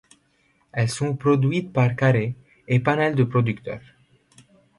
Elles sont produites par Carey et un panel de producteurs.